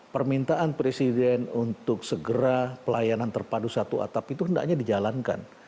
permintaan presiden untuk segera pelayanan terpadu satu atap itu hendaknya dijalankan